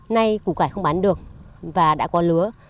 nay củ cải không bán được và đã có lứa